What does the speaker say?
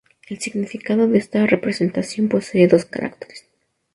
El significado de esta representación posee dos caracteres.